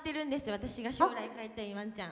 私が将来飼いたいワンちゃん。